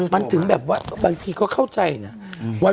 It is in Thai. มันถึงแบบว่าบางทีก็เข้าใจนะ